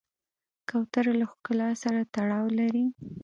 کوتره له ښکلا سره تړاو لري.